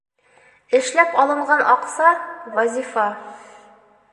Эшләп алынған аҡса, Вазифа.